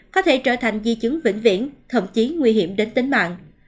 có thể trở thành di chứng vĩnh viễn thậm chí nguy hiểm đến tính mạng